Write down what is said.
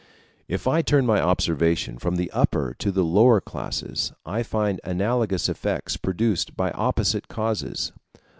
If I turn my observation from the upper to the lower classes, I find analogous effects produced by opposite causes.